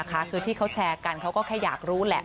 คือที่เขาแชร์กันเขาก็แค่อยากรู้แหละ